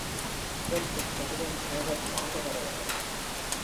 இதற்குச் சரிதம் அனேகச் சான்று தருகிறது.